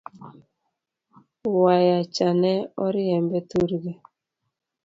Wayacha ne oriembe thurgi?